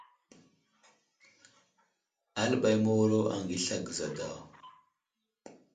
Aləɓay məwuro aghi asla gəza daw.